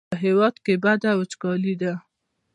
په هېواد کې بده وچکالي ده.